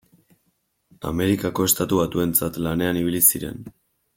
Amerikako Estatu Batuentzat lanean ibili ziren.